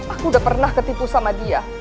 aku udah pernah ketipu sama dia